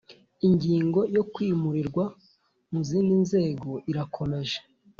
ingingo yo kwimurirwa mu zindi nzego irakomeje